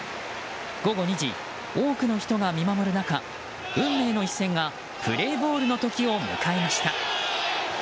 午後２時、多くの人が見守る中運命の一戦がプレーボールの時を迎えました。